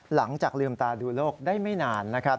หลังจากลืมตาดูโลกได้ไม่นานนะครับ